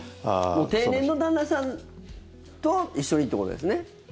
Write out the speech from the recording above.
定年の旦那さんと一緒にっていうことですね？